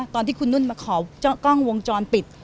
ตอนที่คุณนุ่นมาขอกล้องวงจรปิด